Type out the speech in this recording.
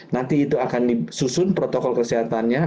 nanti itu akan disusun protokol kesehatannya